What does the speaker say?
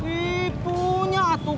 wih punya atuk